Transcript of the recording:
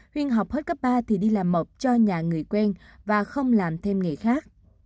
khuyên học hết cấp ba thì đi làm mập cho nhà người quen và không làm thêm nghề khác